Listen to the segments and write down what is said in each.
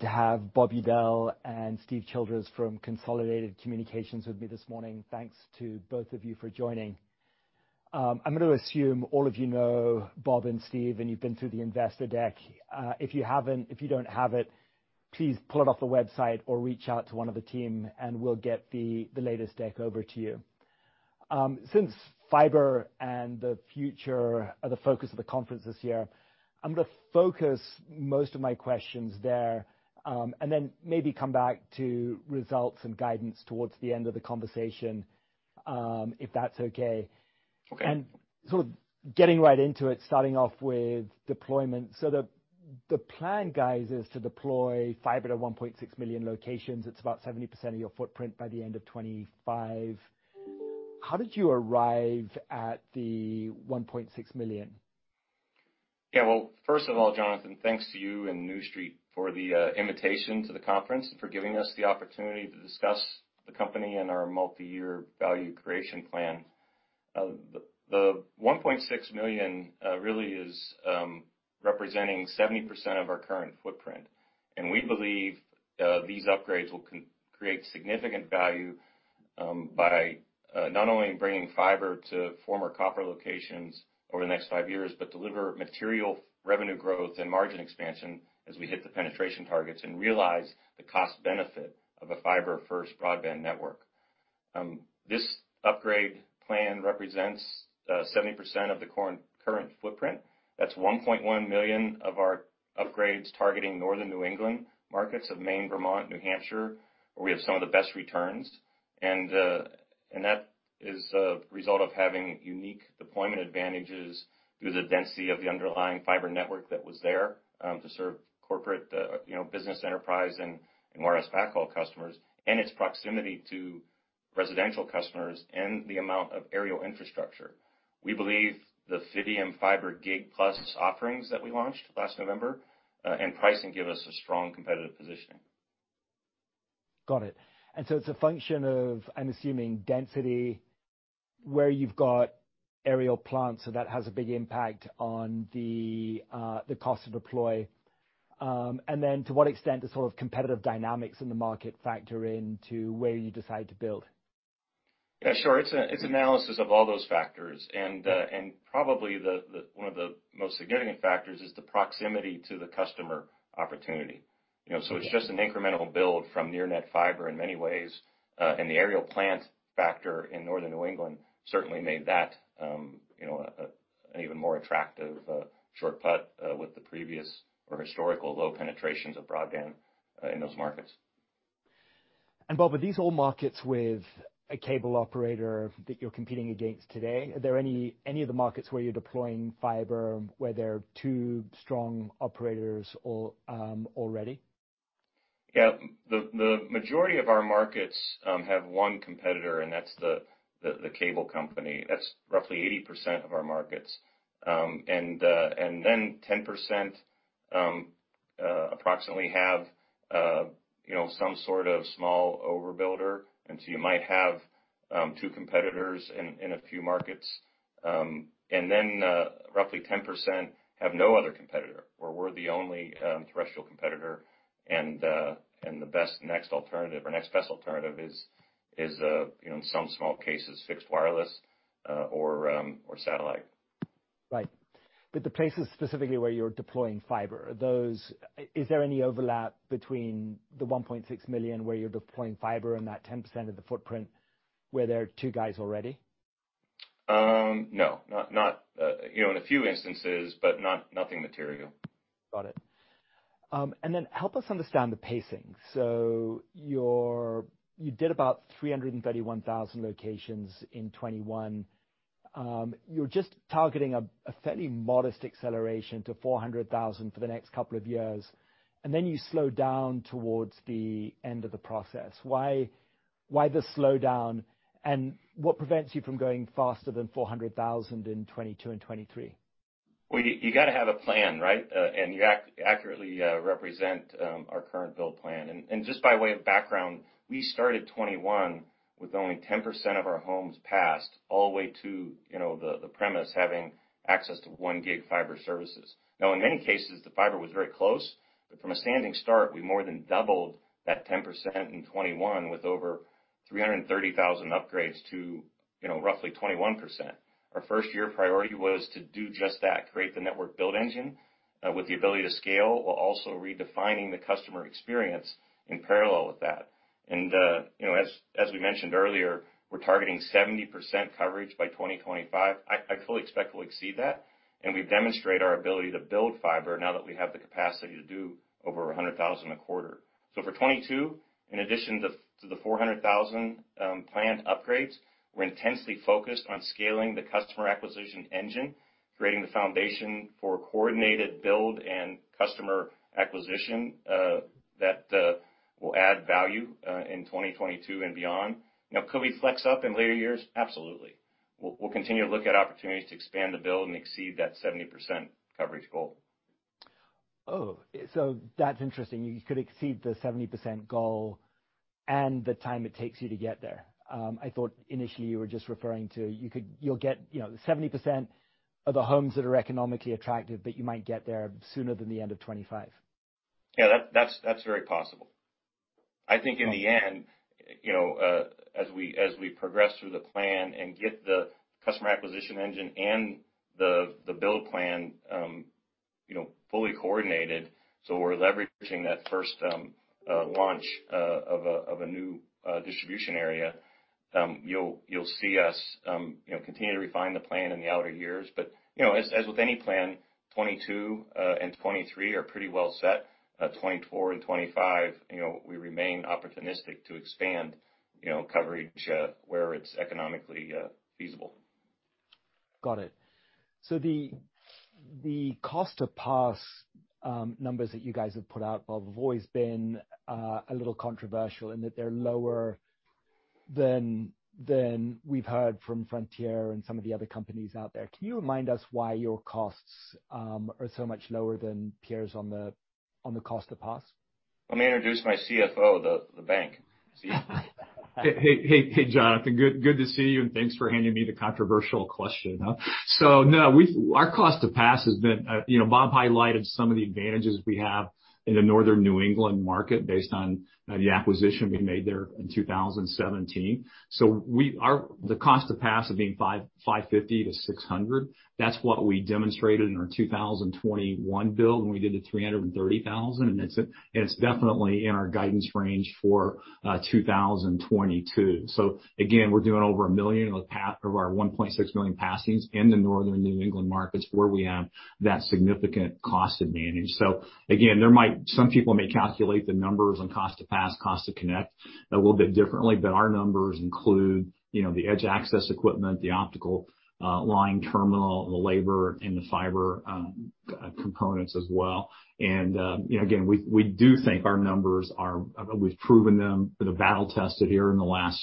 I have Bob Udell and Steve Childers from Consolidated Communications with me this morning. Thanks to both of you for joining. I'm gonna assume all of you know Bob and Steve, and you've been through the investor deck. If you haven't, if you don't have it, please pull it off the website or reach out to one of the team, and we'll get the latest deck over to you. Since fiber and the future are the focus of the conference this year, I'm gonna focus most of my questions there, and then maybe come back to results and guidance towards the end of the conversation, if that's okay. Sort of getting right into it, starting off with deployment. The plan, guys, is to deploy fiber to 1.6 million locations. It's about 70% of your footprint by the end of 2025. How did you arrive at the 1.6 million? Yeah. Well, first of all, Jonathan, thanks to you and New Street for the invitation to the conference and for giving us the opportunity to discuss the company and our multiyear value creation plan. The 1.6 million really is representing 70% of our current footprint. We believe these upgrades will create significant value by not only bringing fiber to former copper locations over the next five years, but deliver material revenue growth and margin expansion as we hit the penetration targets and realize the cost benefit of a fiber-first broadband network. This upgrade plan represents 70% of the current footprint. That's 1.1 million of our upgrades targeting Northern New England markets of Maine, Vermont, New Hampshire, where we have some of the best returns. That is a result of having unique deployment advantages through the density of the underlying fiber network that was there, to serve corporate, you know, business enterprise and [CLEC] backhaul customers, and its proximity to residential customers and the amount of aerial infrastructure. We believe the Fidium Fiber Gig+ offerings that we launched last November, and pricing give us a strong competitive positioning. Got it. It's a function of, I'm assuming, density, where you've got aerial plants, so that has a big impact on the cost to deploy. To what extent the sort of competitive dynamics in the market factor into where you decide to build? Yeah, sure. It's analysis of all those factors. One of the most significant factors is the proximity to the customer opportunity. You know, it's just an incremental build from near-net fiber in many ways. The aerial plant factor in Northern New England certainly made that an even more attractive shortcut with the previous or historical low penetrations of broadband in those markets. Bob, are these all markets with a cable operator that you're competing against today? Are there any of the markets where you're deploying fiber where there are two strong operators already? Yeah. The majority of our markets have one competitor, and that's the cable company. That's roughly 80% of our markets. 10%, approximately, have you know, some sort of small overbuilder. You might have two competitors in a few markets. Roughly 10% have no other competitor, where we're the only threshold competitor, and the best next alternative or next best alternative is you know, in some small cases, fixed wireless or satellite. Right. The places specifically where you're deploying fiber, is there any overlap between the 1.6 million where you're deploying fiber and that 10% of the footprint where there are two guys already? No. Not, you know, in a few instances, but nothing material. Got it. Help us understand the pacing. You did about 331,000 locations in 2021. You're just targeting a fairly modest acceleration to 400,000 for the next couple of years, and then you slowed down towards the end of the process. Why the slowdown, and what prevents you from going faster than 400,000 in 2022 and 2023? Well, you gotta have a plan, right? You accurately represent our current build plan. Just by way of background, we started 2021 with only 10% of our homes passed all the way to, you know, the premises having access to 1 gig fiber services. Now, in many cases, the fiber was very close, but from a standing start, we more than doubled that 10% in 2021 with over 330,000 upgrades to, you know, roughly 21%. Our first year priority was to do just that, create the network build engine with the ability to scale, while also redefining the customer experience in parallel with that. You know, as we mentioned earlier, we're targeting 70% coverage by 2025. I fully expect we'll exceed that, and we've demonstrated our ability to build fiber now that we have the capacity to do over 100,000 a quarter. For 2022, in addition to the 400,000 planned upgrades, we're intensely focused on scaling the customer acquisition engine, creating the foundation for coordinated build and customer acquisition that will add value in 2022 and beyond. Now, could we flex up in later years? Absolutely. We'll continue to look at opportunities to expand the build and exceed that 70% coverage goal. Oh, that's interesting. You could exceed the 70% goal and the time it takes you to get there. I thought initially you were just referring to you'll get, you know, 70% of the homes that are economically attractive, but you might get there sooner than the end of 2025. Yeah, that's very possible. I think in the end, you know, as we progress through the plan and get the customer acquisition engine and the build plan, you know, fully coordinated so we're leveraging that first launch of a new distribution area, you'll see us, you know, continue to refine the plan in the outer years. You know, as with any plan, 2022 and 2023 are pretty well set. 2024 and 2025, you know, we remain opportunistic to expand, you know, coverage where it's economically feasible. Got it. The cost-to-pass numbers that you guys have put out have always been a little controversial in that they're lower than we've heard from Frontier and some of the other companies out there. Can you remind us why your costs are so much lower than peers on the cost-to-pass? Let me introduce my CFO, the bank CFO. Hey, Jonathan, good to see you, and thanks for handing me the controversial question. No, our cost-to-pass has been, you know, Bob highlighted some of the advantages we have in the Northern New England market based on the acquisition we made there in 2017. Our cost-to-pass being $550-$600, that's what we demonstrated in our 2021 build when we did the 330,000, and it's definitely in our guidance range for 2022. Again, we're doing over a million passings— over 1.6 million passings in the Northern New England markets where we have that significant cost advantage. Again, some people may calculate the numbers on cost-to-pass, cost-to-connect a little bit differently, but our numbers include, you know, the edge access equipment, the optical line terminal, the labor, and the fiber components as well. You know, again, we do think our numbers are— we've proven them. They're battle tested here in the last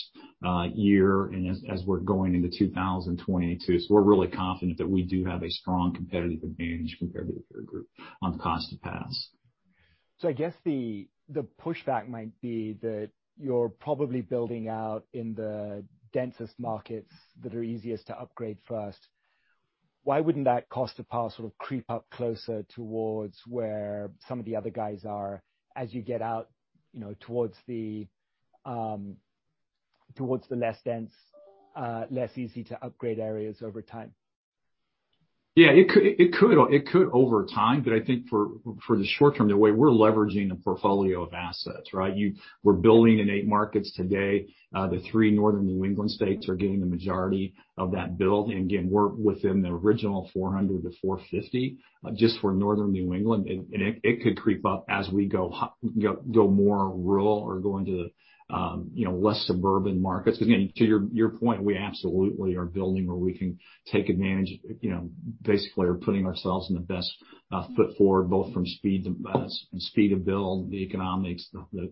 year and as we're going into 2022. We're really confident that we do have a strong competitive advantage compared to the peer group on the cost-to-pass. I guess the pushback might be that you're probably building out in the densest markets that are easiest to upgrade first. Why wouldn't that cost-to-pass sort of creep up closer towards where some of the other guys are as you get out, you know, towards the less dense, less easy-to-upgrade areas over time? Yeah, it could over time, but I think for the short term, the way we're leveraging a portfolio of assets, right? We're building in eight markets today. The three northern New England states are getting the majority of that build. Again, we're within the original $400-$450 just for northern New England. It could creep up as we go more rural or go into you know, less suburban markets. Again, to your point, we absolutely are building where we can take advantage, you know, basically are putting ourselves in the best foot forward, both from speed of build, the economics,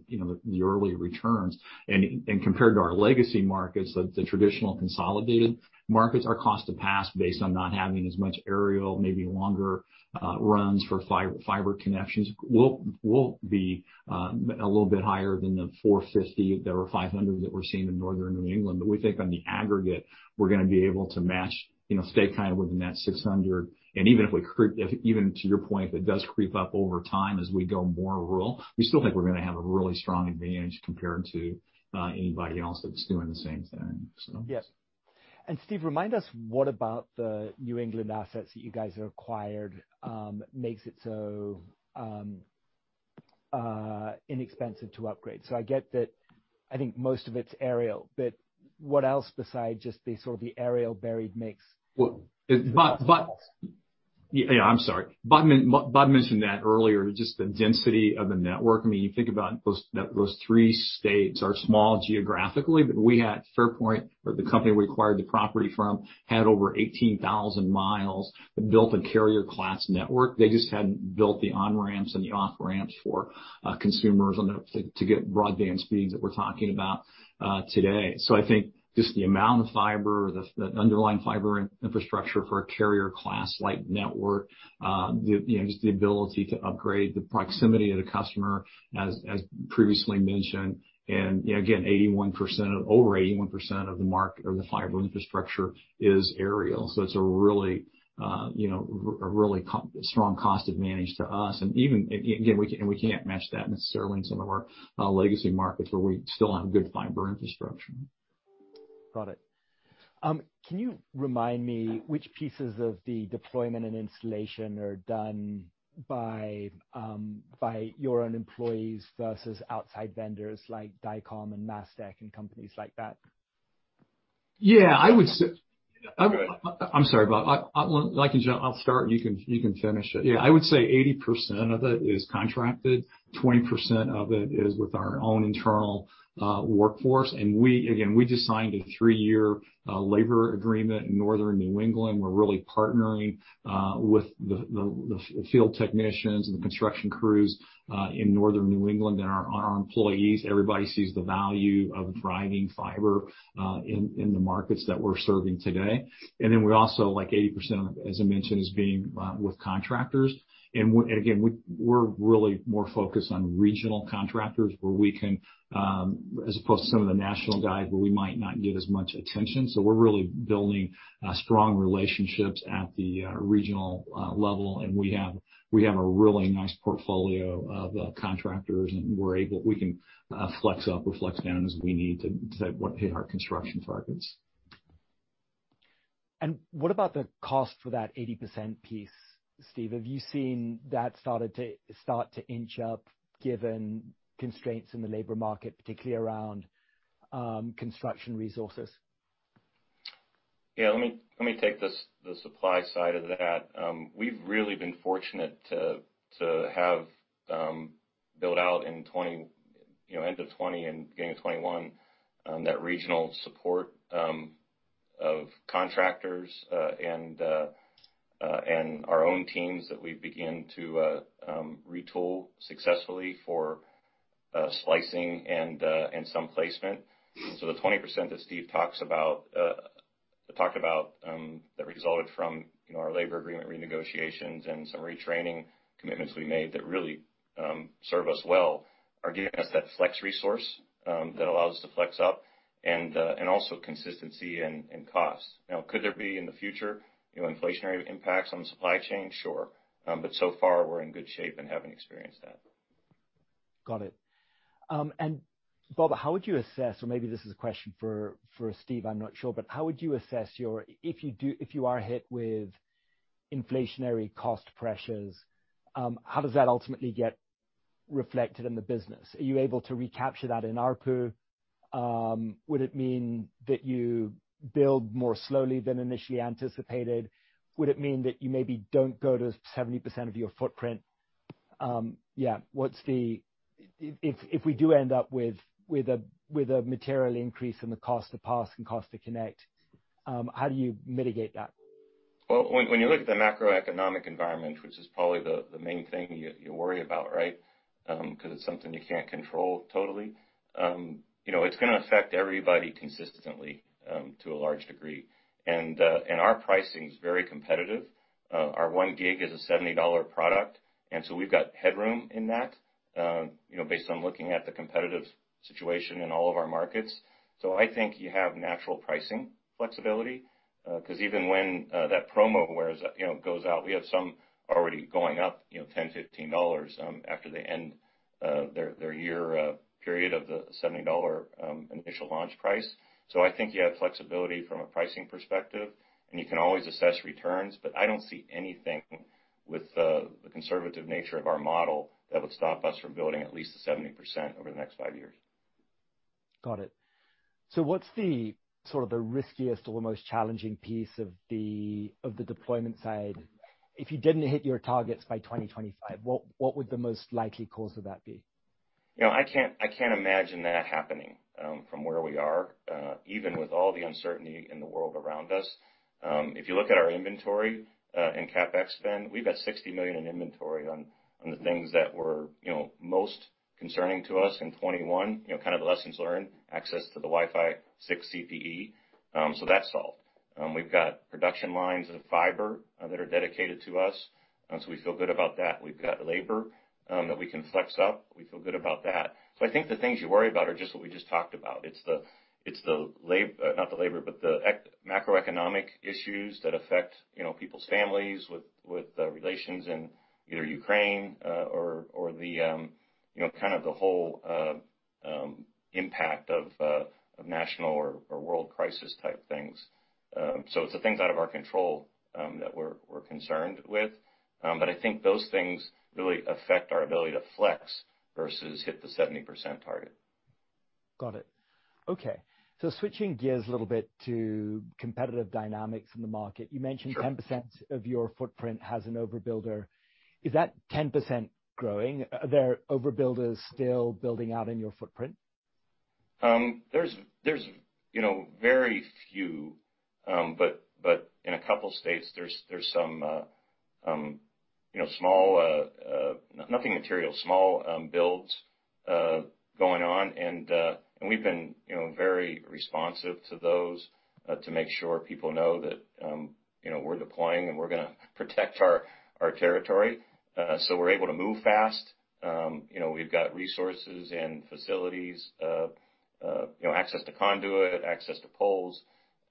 you know, the yearly returns. Compared to our legacy markets, the traditional Consolidated markets, our cost-to-pass based on not having as much aerial, maybe longer runs for fiber connections will be a little bit higher than the $450 or $500 that we're seeing in Northern New England. We think on the aggregate, we're gonna be able to match, you know, stay kind of within that $600. Even if, to your point, it does creep up over time as we go more rural, we still think we're gonna have a really strong advantage compared to anybody else that's doing the same thing. Yes. Steve, remind us what about the New England assets that you guys have acquired makes it so inexpensive to upgrade? I get that I think most of it's aerial, but what else besides just the sort of the aerial buried mix? Bob mentioned that earlier, just the density of the network. I mean, you think about those three states are small geographically, but we had FairPoint or the company we acquired the property from had over 18,000 miles built a carrier class network. They just hadn't built the on-ramps and the off-ramps for consumers to get broadband speeds that we're talking about today. I think just the amount of fiber, the underlying fiber infrastructure for a carrier-class-like network, just the ability to upgrade, the proximity to the customer, as previously mentioned, and again, over 81% of the fiber infrastructure is aerial. It's a really strong cost advantage to us. Even again, we can't match that necessarily in some of our legacy markets where we still have good fiber infrastructure. Got it. Can you remind me which pieces of the deployment and installation are done by your own employees versus outside vendors like Dycom and MasTec and companies like that? Yeah. I'm sorry, Bob. I'll start, and you can finish it. Yeah. I would say 80% of it is contracted, 20% of it is with our own internal workforce. We again just signed a three-year labor agreement in northern New England. We're really partnering with the field technicians and the construction crews in northern New England and our employees. Everybody sees the value of driving fiber in the markets that we're serving today. Then we also, like 80% of it, as I mentioned, is being with contractors. We again we're really more focused on regional contractors where we can, as opposed to some of the national guys where we might not get as much attention. We're really building strong relationships at the regional level, and we have a really nice portfolio of contractors, and we can flex up or flex down as we need to hit our construction targets. What about the cost for that 80% piece, Steve? Have you seen that start to inch up given constraints in the labor market, particularly around construction resources? Yeah, let me take the supply side of that. We've really been fortunate to have built out in 2020, you know, end of 2020 and beginning of 2021, that regional support of contractors and our own teams that we began to retool successfully for slicing and some placement. So the 20% that Steve talked about that resulted from, you know, our labor agreement renegotiations and some retraining commitments we made that really serve us well are giving us that flex resource that allows us to flex up and also consistency in cost. Now, could there be in the future, you know, inflationary impacts on supply chain? Sure. So far, we're in good shape and haven't experienced that. Got it. Bob, how would you assess, or maybe this is a question for Steve, I'm not sure. How would you assess if you are hit with inflationary cost pressures, how does that ultimately get reflected in the business? Are you able to recapture that in ARPU? Would it mean that you build more slowly than initially anticipated? Would it mean that you maybe don't go to 70% of your footprint? If we do end up with a material increase in the cost-to-pass and cost-to-connect, how do you mitigate that? Well, when you look at the macroeconomic environment, which is probably the main thing you worry about, right? 'Cause it's something you can't control totally. You know, it's gonna affect everybody consistently to a large degree. Our pricing is very competitive. Our 1 gig is a $70 product, and so we've got headroom in that, you know, based on looking at the competitive situation in all of our markets. I think you have natural pricing flexibility, 'cause even when that promo wears, you know, goes out, we have some already going up, you know, $10, $15 after they end their year period of the $70 initial launch price. I think you have flexibility from a pricing perspective, and you can always assess returns. I don't see anything with the conservative nature of our model that would stop us from building at least to 70% over the next five years. Got it. What's the sort of riskiest or the most challenging piece of the deployment side? If you didn't hit your targets by 2025, what would the most likely cause of that be? You know, I can't imagine that happening from where we are, even with all the uncertainty in the world around us. If you look at our inventory and CapEx spend, we've got $60 million in inventory on the things that were, you know, most concerning to us in 2021, you know, kind of lessons learned, access to the Wi-Fi 6 CPE. So that's solved. We've got production lines of fiber that are dedicated to us, and so we feel good about that. We've got labor that we can flex up. We feel good about that. I think the things you worry about are just what we just talked about. It's the macroeconomic issues that affect, you know, people's families with relations in either Ukraine or the you know kind of the whole impact of national- or world-crisis-type things. It's the things out of our control that we're concerned with. I think those things really affect our ability to flex versus hit the 70% target. Got it. Okay. Switching gears a little bit to competitive dynamics in the market. You mentioned 10% of your footprint has an overbuilder. Is that 10% growing? Are there overbuilders still building out in your footprint? There's, you know, very few, but in a couple states, there's some, you know, small, nothing material, small builds going on. We've been, you know, very responsive to those, to make sure people know that, you know, we're deploying, and we're gonna protect our territory. We're able to move fast. You know, we've got resources and facilities, you know, access to conduit, access to poles.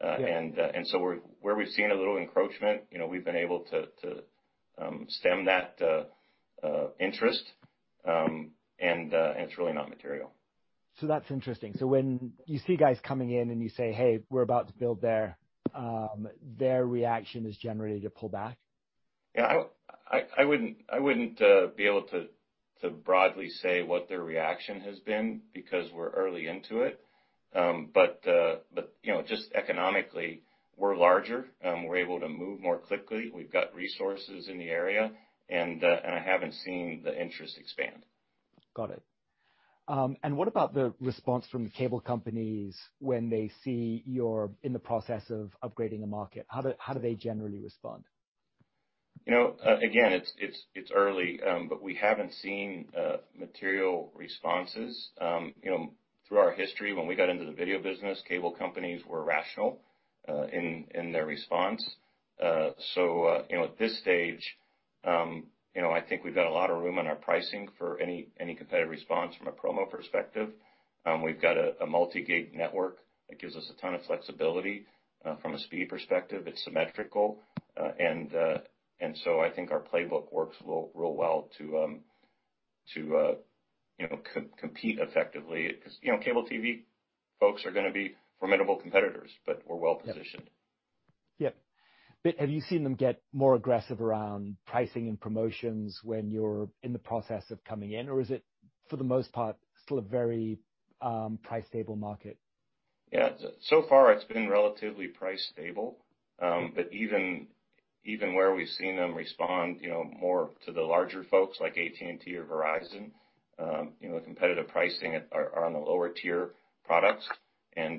Where we've seen a little encroachment, you know, we've been able to stem that interest. It's really not material. That's interesting. When you see guys coming in, and you say, "Hey, we're about to build there," their reaction is generally to pull back? Yeah, I wouldn't be able to broadly say what their reaction has been because we're early into it. You know, just economically, we're larger. We're able to move more quickly. We've got resources in the area, and I haven't seen the interest expand. Got it. What about the response from the cable companies when they see you're in the process of upgrading a market? How do they generally respond? You know, again, it's early, but we haven't seen material responses. You know, through our history, when we got into the video business, cable companies were rational in their response. You know, at this stage, you know, I think we've got a lot of room in our pricing for any competitive response from a promo perspective. We've got a multi-gig network that gives us a ton of flexibility. From a speed perspective, it's symmetrical. I think our playbook works real well to compete effectively. Because, you know, cable TV folks are gonna be formidable competitors, but we're well-positioned. Yep. Have you seen them get more aggressive around pricing and promotions when you're in the process of coming in? Or is it, for the most part, still a very, price-stable market? Yeah. So far it's been relatively price-stable. Even where we've seen them respond, you know, more to the larger folks, like AT&T or Verizon, you know, the competitive pricing are on the lower tier products.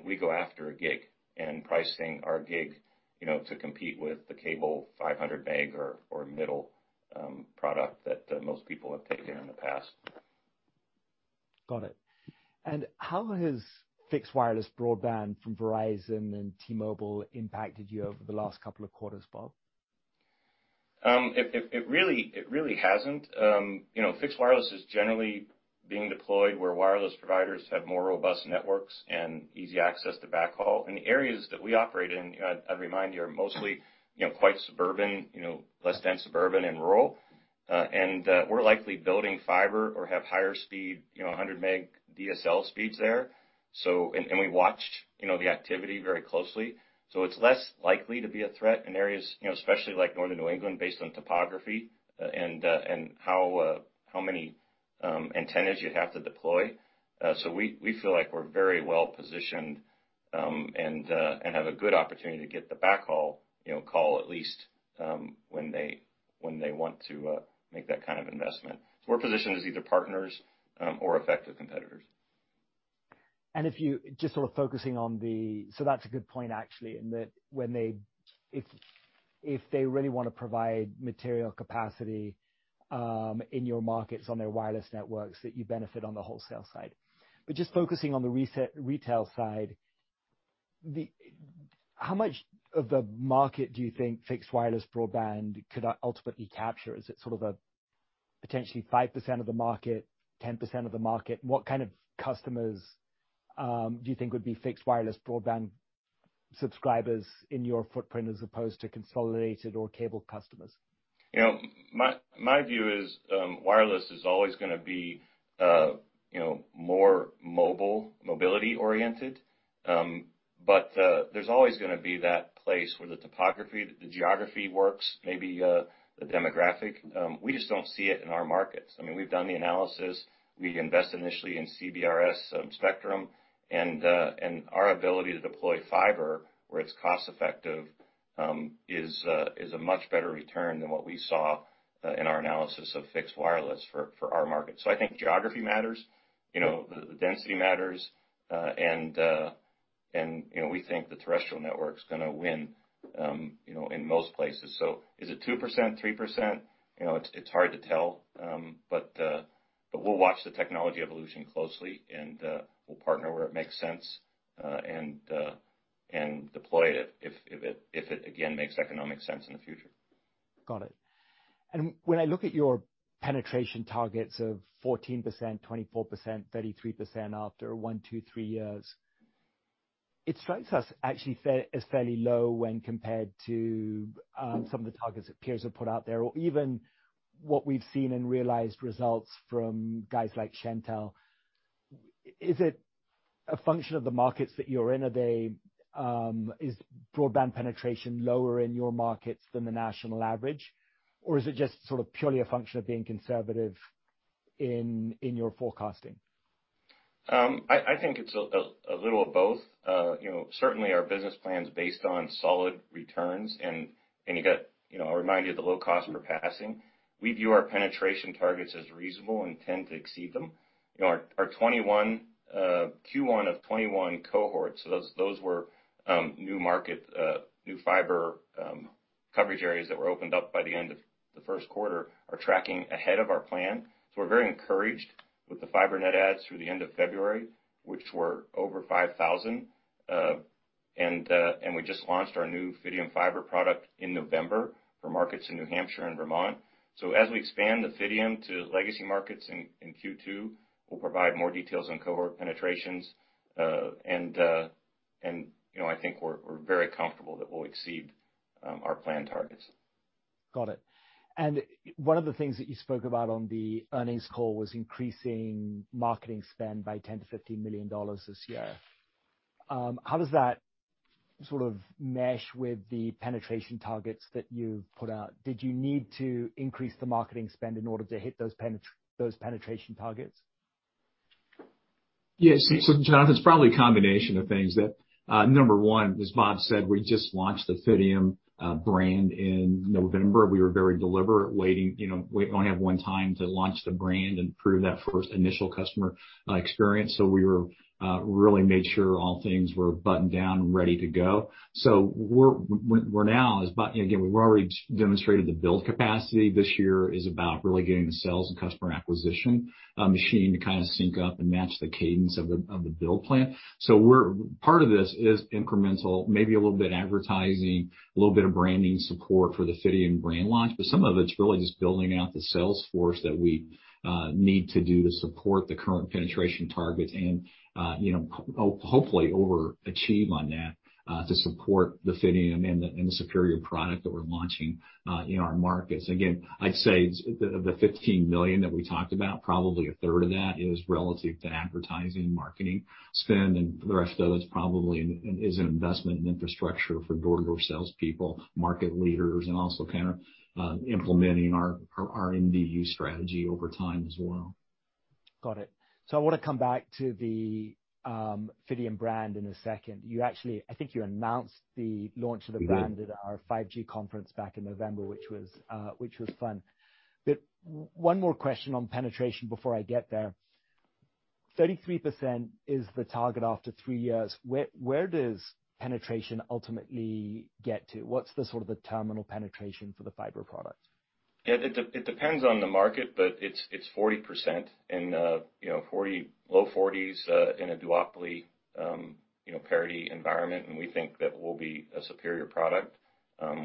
We go after a gig and pricing our gig, you know, to compete with the cable 500-meg or middle product that most people have taken in the past. Got it. How has fixed wireless broadband from Verizon and T-Mobile impacted you over the last couple of quarters, Bob? It really hasn't. You know, fixed wireless is generally being deployed where wireless providers have more robust networks and easy access to backhaul. In the areas that we operate in, I'd remind you, are mostly, you know, quite suburban, you know, less dense suburban and rural. We're likely building fiber or have higher speed, you know, 100-meg DSL speeds there. So we watched, you know, the activity very closely. So it's less likely to be a threat in areas, you know, especially like Northern New England based on topography, and how many antennas you'd have to deploy. We feel like we're very well-positioned and have a good opportunity to get the backhaul, you know, call at least when they want to make that kind of investment. We're positioned as either partners or effective competitors. That's a good point, actually, in that when they if they really wanna provide material capacity in your markets on their wireless networks, that you benefit on the wholesale side. Just focusing on the retail side, how much of the market do you think fixed-wireless broadband could ultimately capture? Is it sort of a potentially 5% of the market, 10% of the market? What kind of customers do you think would be fixed wireless broadband subscribers in your footprint as opposed to consolidated or cable customers? You know, my view is, wireless is always gonna be, you know, more mobile, mobility-oriented. But there's always gonna be that place where the topography, the geography works, maybe, the demographic. We just don't see it in our markets. I mean, we've done the analysis. We invest initially in CBRS spectrum, and our ability to deploy fiber where it's cost effective, is a much better return than what we saw in our analysis of fixed wireless for our market. I think geography matters, you know, the density matters, and you know, we think the terrestrial network's gonna win, you know, in most places. Is it 2%, 3%? You know, it's hard to tell. We'll watch the technology evolution closely and we'll partner where it makes sense and deploy it if it, again, makes economic sense in the future. Got it. When I look at your penetration targets of 14%, 24%, 33% after one, two, three years, it strikes us actually as fairly low when compared to some of the targets that peers have put out there, or even what we've seen in realized results from guys like Shentel. Is it a function of the markets that you're in? Are they, is broadband penetration lower in your markets than the national average? Or is it just sort of purely a function of being conservative in your forecasting? I think it's a little of both. You know, certainly our business plan is based on solid returns and you got, you know, I'll remind you of the low cost we're passing. We view our penetration targets as reasonable and tend to exceed them. You know, our 2021, Q1 of 2021 cohorts, so those were new market, new fiber coverage areas that were opened up by the end of the first quarter, are tracking ahead of our plan. So we're very encouraged with the fiber net adds through the end of February, which were over 5,000. And we just launched our new Fidium Fiber product in November for markets in New Hampshire and Vermont. So as we expand the Fidium to legacy markets in Q2, we'll provide more details on cohort penetrations. You know, I think we're very comfortable that we'll exceed our plan targets. Got it. One of the things that you spoke about on the earnings call was increasing marketing spend by $10 million, $15 million this year. How does that sort of mesh with the penetration targets that you've put out? Did you need to increase the marketing spend in order to hit those penetration targets? Yes. Jonathan, it's probably a combination of things that, number one, as Bob said, we just launched the Fidium brand in November. We were very deliberate waiting. You know, we only have one time to launch the brand and prove that first initial customer experience. We really made sure all things were buttoned down and ready to go. We're now, as Bob, you know, again, we've already demonstrated the build capacity. This year is about really getting the sales and customer acquisition machine to kind of sync up and match the cadence of the build plan. Part of this is incremental, maybe a little bit advertising, a little bit of branding support for the Fidium brand launch, but some of it's really just building out the sales force that we need to do to support the current penetration targets and, you know, hopefully overachieve on that, to support the Fidium and the superior product that we're launching in our markets. Again, I'd say the 15 million that we talked about, probably 1/3 of that is relative to advertising, marketing spend, and the rest of it is probably an investment in infrastructure for door-to-door salespeople, market leaders, and also kind of implementing our MDU strategy over time as well. Got it. I wanna come back to the Fidium brand in a second. I think you announced the launch of the brand a`t our 5G conference back in November, which was fun. One more question on penetration before I get there. 33% is the target after three years. Where does penetration ultimately get to? What's the sort of terminal penetration for the fiber product? Yeah, it depends on the market, but it's 40%. You know, 40, low 40s, in a duopoly, you know, parity environment, and we think that we'll be a superior product,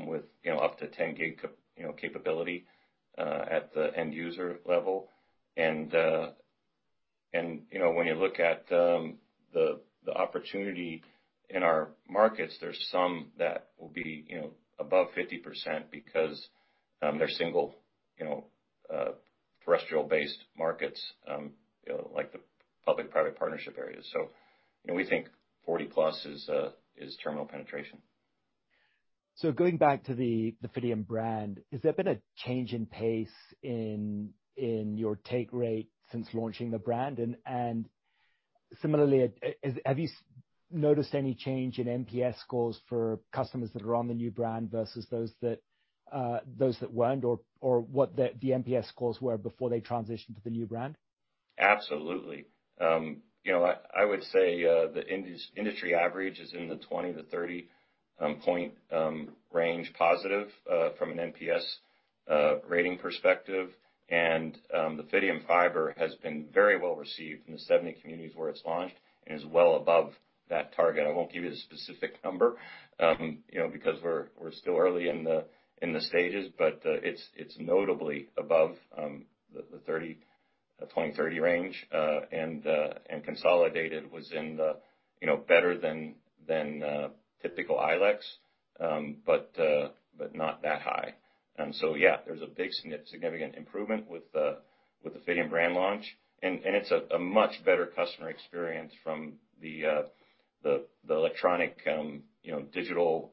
with you know, up to 10-gig capability at the end-user level. You know, when you look at the opportunity in our markets, there's some that will be you know, above 50% because they're single you know, terrestrial-based markets, you know, like the public-private partnership areas. You know, we think 40+ is terminal penetration. Going back to the Fidium brand, has there been a change in pace in your take rate since launching the brand? Similarly, have you noticed any change in NPS scores for customers that are on the new brand versus those that weren't or what the NPS scores were before they transitioned to the new brand? Absolutely. You know, I would say the industry average is in the 20- to 30-point range positive from an NPS rating perspective. The Fidium Fiber has been very well received in the 70 communities where it's launched and is well above that target. I won't give you the specific number, you know, because we're still early in the stages, but it's notably above the 20, 30 range. Consolidated was, you know, better than typical ILECs, but not that high. Yeah, there's a big significant improvement with the Fidium brand launch. It's a much better customer experience from the electronic, you know, digital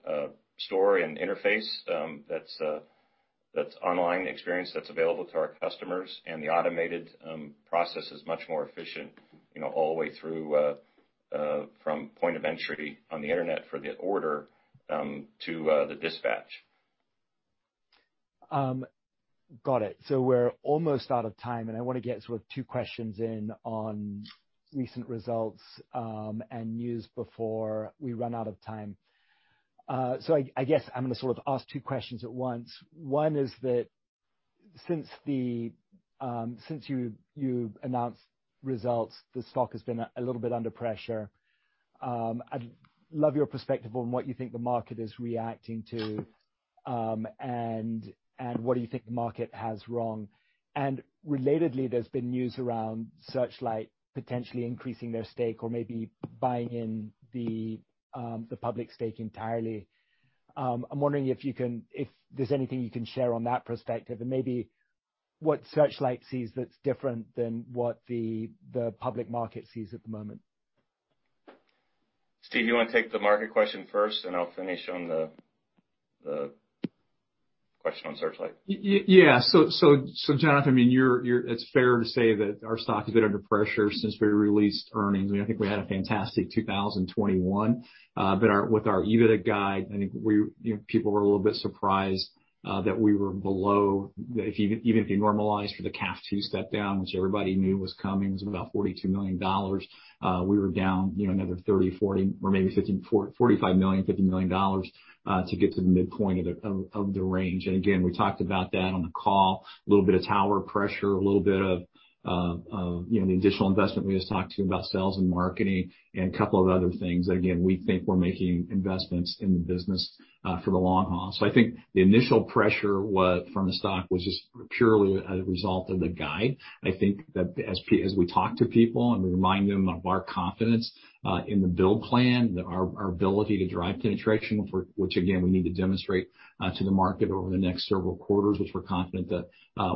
store and interface that's online experience that's available to our customers. The automated process is much more efficient, you know, all the way through from point of entry on the internet for the order to the dispatch. Got it. We're almost out of time, and I wanna get sort of two questions in on recent results and news before we run out of time. I guess I'm gonna sort of ask two questions at once. One is that since you announced results, the stock has been a little bit under pressure. I'd love your perspective on what you think the market is reacting to, and what do you think the market has wrong. Relatedly, there's been news around Searchlight potentially increasing their stake or maybe buying in the public stake entirely. I'm wondering if there's anything you can share on that perspective and maybe what Searchlight sees that's different than what the public market sees at the moment? Steve, you wanna take the market question first, and I'll finish on the question on Searchlight? Yeah. Jonathan, I mean, you're, it's fair to say that our stock has been under pressure since we released earnings. You know, I think we had a fantastic 2021. With our EBITDA guide, I think we, you know, people were a little bit surprised that we were below. That even if you normalize for the CAF II step down, which everybody knew was coming, it was about $42 million, we were down another $30 million, $40 million, or maybe $45 million, $50 million dollars to get to the midpoint of the range. Again, we talked about that on the call, a little bit of tower pressure, a little bit of, you know, the additional investment we just talked to about sales and marketing and a couple of other things. Again, we think we're making investments in the business, for the long haul. I think the initial pressure from the stock was just purely a result of the guide. I think that as we talk to people and remind them of our confidence, in the build plan, that our ability to drive penetration for which again, we need to demonstrate to the market over the next several quarters, which we're confident that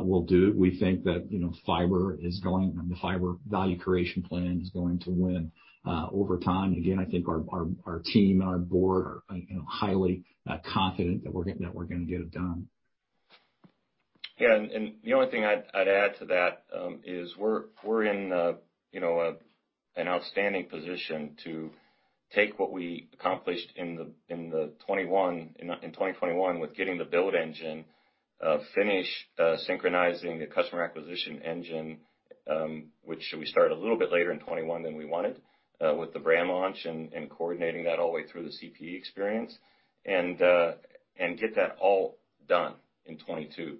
we'll do, we think that, you know, fiber is going and the fiber value creation plan is going to win over time. Again, I think our team and our board are, you know, highly confident that we're gonna get it done. The only thing I'd add to that is we're in, you know, an outstanding position to take what we accomplished in 2021 with getting the build engine, finish synchronizing the customer acquisition engine, which we started a little bit later in 2021 than we wanted with the brand launch and coordinating that all the way through the CPE experience and get that all done in 2022.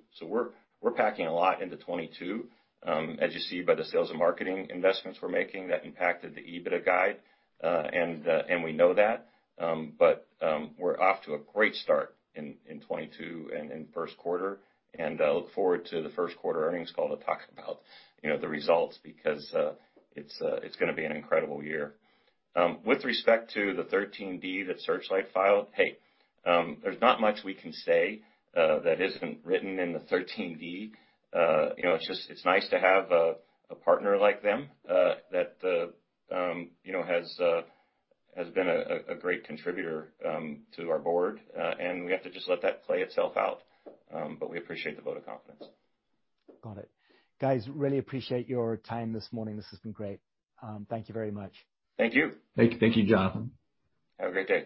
We're packing a lot into 2022 as you see by the sales and marketing investments we're making that impacted the EBITDA guide. We know that. We're off to a great start in 2022 and in first quarter. I look forward to the first quarter earnings call to talk about, you know, the results because it's gonna be an incredible year. With respect to the 13D that Searchlight filed, hey, there's not much we can say that isn't written in the 13D. You know, it's just, it's nice to have a partner like them that you know has been a great contributor to our board. We have to just let that play itself out. But we appreciate the vote of confidence. Got it. Guys, really appreciate your time this morning. This has been great. Thank you very much. Thank you. Thank you, Jonathan. Have a great day.